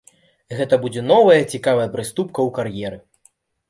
Гэта будзе новая цікавая прыступка ў кар'еры.